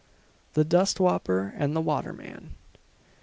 THE DUST WHOPPER AND THE WATERMAN.